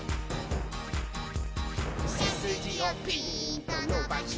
「せすじをピーンとのばして」